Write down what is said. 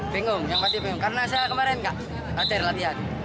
bingung yang pasti bingung karena saya kemarin nggak ajar latihan